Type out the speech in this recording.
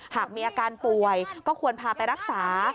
หากมีอาการป่วยก็ควรพาไปรักษา